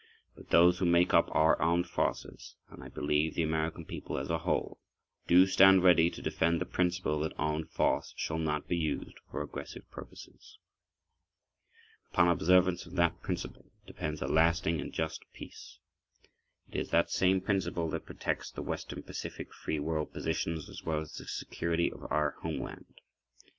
But those who make up our Armed Forces—and, I believe the American people as a whole—do stand ready [pg 17]to defend the principle that armed force shall not be used for aggressive purposes. Upon observance of that principle depends a lasting and just peace. It is that same principle that protects the western Pacific free world positions as well as the security of our homeland.